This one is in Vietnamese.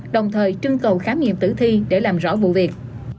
đồng thời trưng cầu khám nghiệm tử thi để làm rõ vụ việc